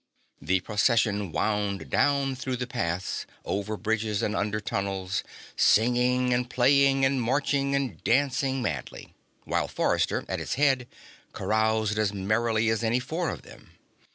The Procession wound down through the paths, over bridges and under tunnels, singing and playing and marching and dancing madly, while Forrester, at its head, caroused as merrily as any four of them.